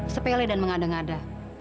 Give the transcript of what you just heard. sepele dan mengada ngada